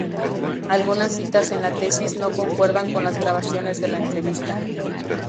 Algunas citas en la tesis no concuerdan con las grabaciones de la entrevista.